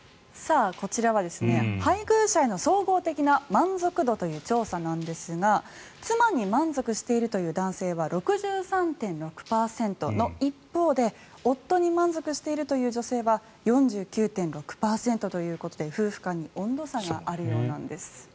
こちらは配偶者への総合的な満足度という調査なんですが妻に満足しているという男性は６３．６％の一方で夫に満足しているという女性は４９．６％ということで夫婦間に温度差があるようなんです。